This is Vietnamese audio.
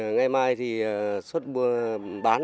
ngày mai thì suốt buổi bán